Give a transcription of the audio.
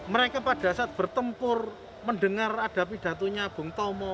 mereka pada saat bertempur mendengar ada pidatonya bung tomo